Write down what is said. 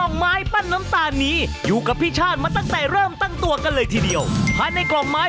ค่ะผมอยากจะเอาเงินไว้เลี้ยงดูหลาน